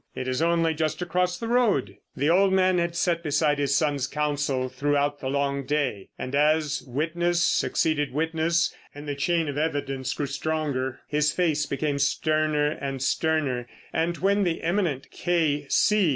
It is only just across the road!" The old man had sat beside his son's counsel throughout the long day, and as witness succeeded witness and the chain of evidence grew stronger, his face became sterner and sterner, and when the eminent K.C.